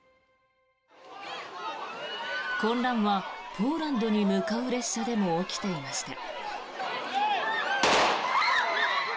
混乱はポーランドに向かう列車でも起きていました。